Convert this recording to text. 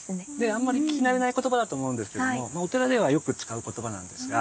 あんまり聞き慣れない言葉だと思うんですけどもまあお寺ではよく使う言葉なんですが。